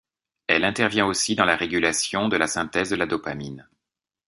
Elle intervient aussi dans la régulation de la synthèse de dopamine.